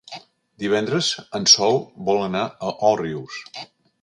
Divendres en Sol vol anar a Òrrius.